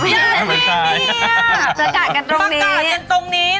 ปีมะเมียประกาศกันตรงนี้